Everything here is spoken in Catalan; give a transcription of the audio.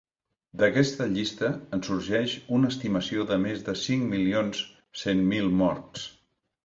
D'aquesta llista en sorgeix una estimació de més de cinc milions cent mil morts.